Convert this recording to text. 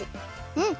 うん！